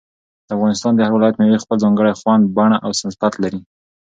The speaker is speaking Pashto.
د افغانستان د هر ولایت مېوې خپل ځانګړی خوند، بڼه او صفت لري.